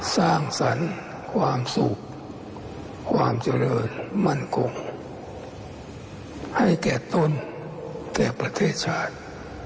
สร้างสรรค์ความสุขความเจริญมั่นคงให้แก่ต้นแต่ประเทศชาติ